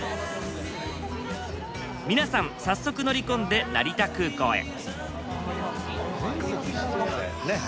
皆さん早速乗り込んで成田空港へ。